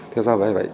thế do vậy là công tác